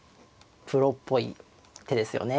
プロっぽい手ですよね。